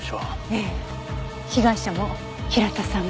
ええ被害者も平田さんも。